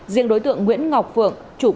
riêng đối tượng nguyễn ngọc phượng